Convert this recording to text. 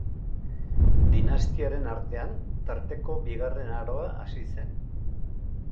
Dinastiaren artean Tarteko Bigarren Aroa hasi zen.